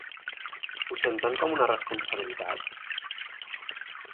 Ho senten com una responsabilitat?